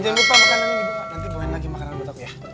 jangan lupa makanannya nih bu nanti bawain lagi makanan buat aku ya